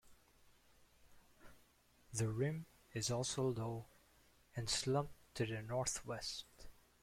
The rim is also low and slumped to the northwest.